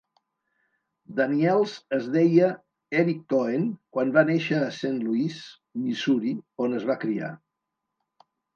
Daniels es deia Erin Cohen quan va néixer a Saint Louis, Missouri, on es va criar.